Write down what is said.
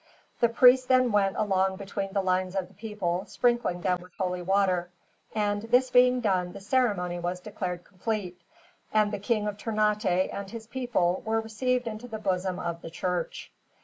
The priest then went along between the lines of the people, sprinkling them with holy water, and this being done the ceremony was declared complete, and the King of Ternate and his people were received into the bosom of the Church.